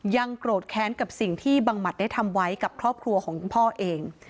โกรธแค้นกับสิ่งที่บังหมัดได้ทำไว้กับครอบครัวของคุณพ่อเอง